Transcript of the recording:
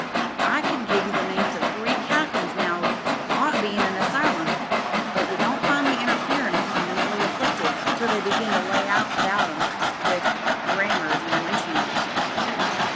I could give you the names o' three captains now 'oo ought to be in an asylum, but you don't find me interferin' with the mentally afflicted till they begin to lay about 'em with rammers an' winch handles.